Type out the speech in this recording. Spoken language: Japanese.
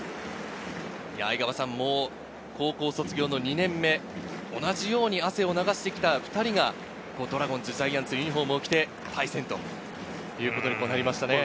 高校卒業の２年目、同じように汗を流してきた２人がドラゴンズとジャイアンツのユニホームを着て対戦となりましたね。